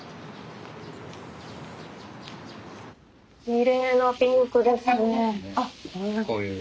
きれいなピンクですね。